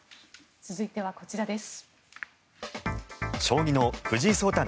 続いてはこちらです。